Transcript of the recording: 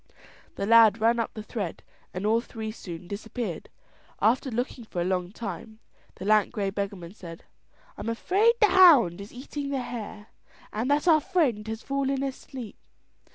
The lad ran up the thread and all three soon disappeared. After looking up for a long time, the lank grey beggarman said: "I'm afraid the hound is eating the hare, and that our friend has fallen asleep."